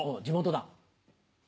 地元だ。